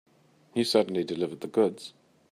You certainly delivered the goods.